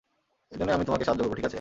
এজন্যই আমি তোমাকে সাহায্য করব, ঠিক আছে?